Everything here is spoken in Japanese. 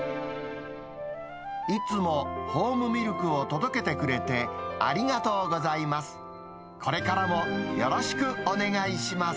いつもホームミルクを届けてくれて、ありがとうございます。